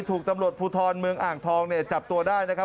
ถูกตำรวจภูทรเมืองอ่างทองเนี่ยจับตัวได้นะครับ